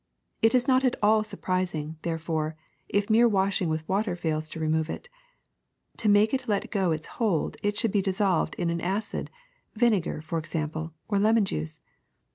It is not at all sur prising, therefore, if mere washing with water fails to remove it. To make it let go its hold it should be dissolved in an acid, vinegar for example, or lemon juice.